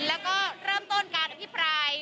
แล้วก็เริ่มต้นการอภิปราย